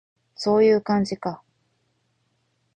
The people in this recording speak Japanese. そういう感じか